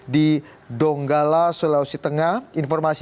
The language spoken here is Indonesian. dan jangan lupa subscribe channel ini